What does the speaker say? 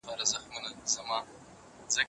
طبي پوهنځۍ په ناڅاپي ډول نه انتقالیږي.